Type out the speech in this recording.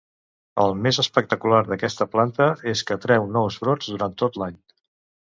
El més espectacular d'aquesta planta és que treu nous brots durant tot l'any.